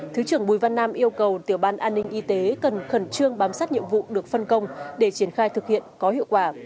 thứ trưởng bùi văn nam yêu cầu tiểu ban an ninh y tế cần khẩn trương bám sát nhiệm vụ được phân công để triển khai thực hiện có hiệu quả